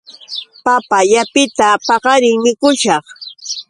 Papa llapita paqarin mukushaq.